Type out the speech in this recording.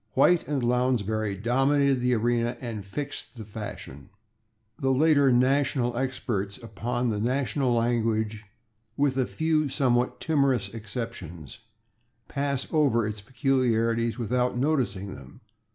White and Lounsbury dominated the arena and fixed the fashion. The later national experts upon the national language, with a few somewhat timorous exceptions, pass over its peculiarities without noticing them.